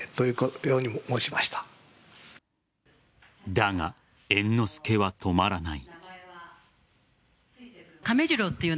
だが、猿之助は止まらない。